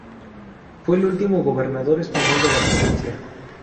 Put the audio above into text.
Fue el último gobernador español de la provincia.